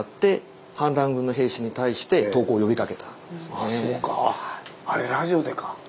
ああそうかあっあれラジオでか。